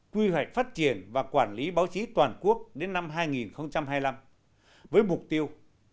quy hoạch phát triển và quản lý báo chí toàn quốc đến năm hai nghìn hai mươi năm với mục tiêu